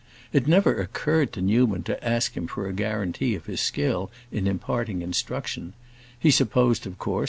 It never occurred to Newman to ask him for a guarantee of his skill in imparting instruction; he supposed of course M.